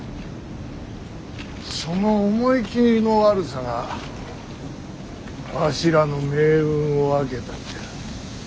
その思い切りの悪さがわしらの命運を分けたんじゃ。